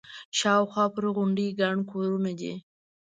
شاوخوا پر غونډۍ ګڼ کورونه دي.